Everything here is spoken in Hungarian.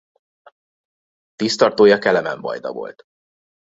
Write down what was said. Tiszttartója Kelemen vajda volt.